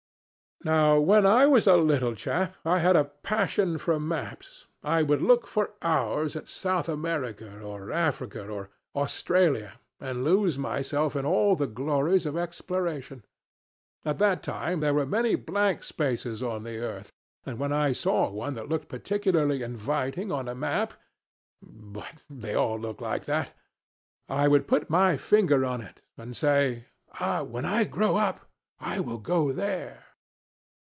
"Now when I was a little chap I had a passion for maps. I would look for hours at South America, or Africa, or Australia, and lose myself in all the glories of exploration. At that time there were many blank spaces on the earth, and when I saw one that looked particularly inviting on a map (but they all look that) I would put my finger on it and say, 'When I grow up I will go there.'